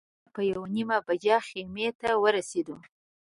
نهه بجې د سهار په یوه نیمه بجه خیمې ته ورسېدو.